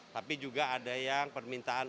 tapi juga ada yang permintaan